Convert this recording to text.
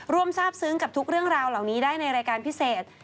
ทราบซึ้งกับทุกเรื่องราวเหล่านี้ได้ในรายการพิเศษ